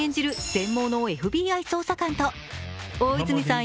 全盲のＦＢＩ捜査官と大泉さん